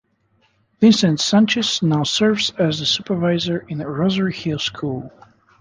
Vincent Sanchez now serves as the Supervisor in Rosaryhill School.